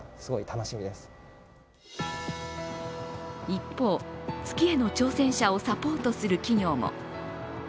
一方、月への挑戦者をサポートする企業も。